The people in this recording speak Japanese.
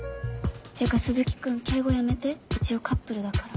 っていうか鈴木君敬語やめて一応カップルだから。